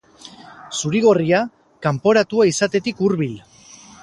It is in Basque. Zuri-gorria, kanporatua izatetik hurbil.